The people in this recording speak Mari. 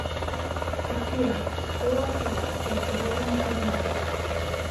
Уке, школ ачалаш сельсоветлан пижман.